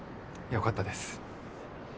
よかったです。